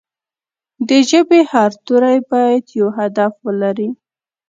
د ژبې هر توری باید یو هدف ولري.